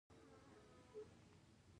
آیا د یو سوکاله ژوند لپاره نه ده؟